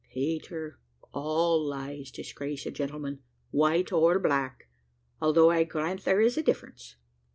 "Peter, all lies disgrace a gentleman, white or black; although I grant there is a difference.